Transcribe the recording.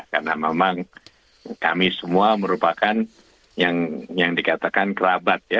karena memang kami semua merupakan yang dikatakan kerabat ya